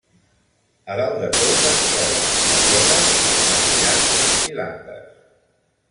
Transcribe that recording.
A dalt de tot es troben fagedes, matollars i landes.